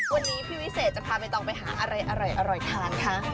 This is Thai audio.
วันนี้พี่วิเศษจะพาใบตองไปหาอะไรอร่อยทานคะ